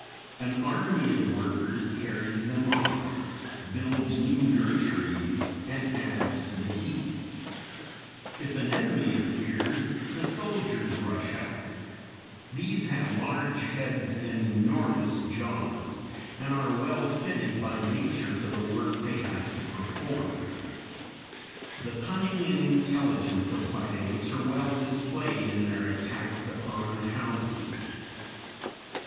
An army of workers carries them off, builds new nurseries, and adds to the heap. If an enemy appears, the soldiers rush out. These have large heads and enormous jaws, and are well fitted by nature for the work they have to perform. [Illustration: FIG. 190. Hills of the white ant.] The cunning and intelligence of white ants are well displayed in their attacks upon houses.